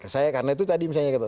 saya karena itu tadi misalnya kata